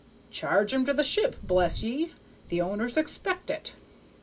'Charge 'em to the ship, bless ye; the owners expect it.'